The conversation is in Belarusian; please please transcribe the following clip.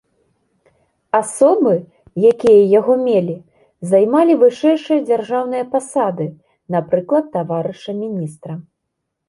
Асобы, якія яго мелі, займалі вышэйшыя дзяржаўныя пасады, напрыклад таварыша міністра.